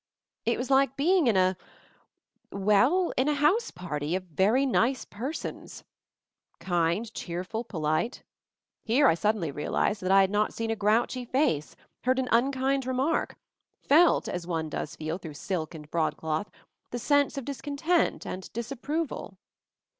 It was like being in a — well, in a house party of very nice persons. Kind, cheerful, polite — here I suddenly realized that I had not seen a grouchy face, heard an unkind remark, felt, as one does feel through silk and broadcloth, the sense of dis content and disapproval.